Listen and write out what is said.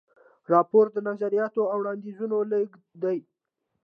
راپور د نظریاتو او وړاندیزونو لیږد دی.